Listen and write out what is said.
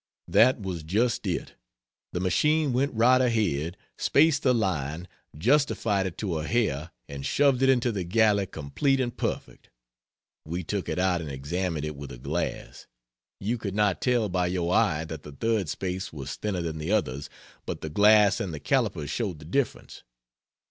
That was just it. The machine went right ahead, spaced the line, justified it to a hair, and shoved it into the galley complete and perfect! We took it out and examined it with a glass. You could not tell by your eye that the third space was thinner than the others, but the glass and the calipers showed the difference.